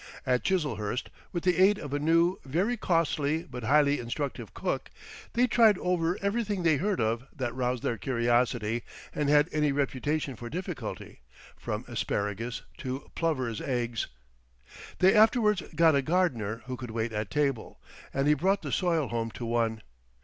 At Chiselhurst, with the aid of a new, very costly, but highly instructive cook, they tried over everything they heard of that roused their curiosity and had any reputation for difficulty, from asparagus to plover's eggs. They afterwards got a gardener who could wait at table—and he brought the soil home to one.